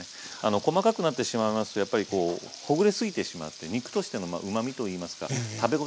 細かくなってしまいますとやっぱりこうほぐれすぎてしまって肉としてのうまみといいますか食べ応えがなくなります。